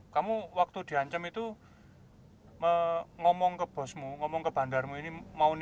kamu waktu diancam itu ngomong ke bosmu ngomong ke bandarmu ini